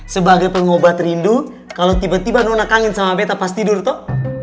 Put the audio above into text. sebagai pengobat rindu kalau tiba tiba nona kangen sama beta pas tidur tuh